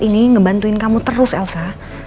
ini ngebantuin kamu terus elsa